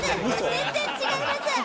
全然違います！